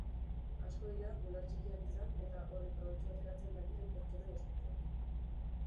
Asko dira bular txikiak izan eta horri probetxua ateratzen dakiten pertsonai ospetsuak.